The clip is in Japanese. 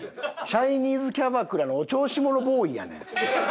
チャイニーズキャバクラのお調子者ボーイやねん。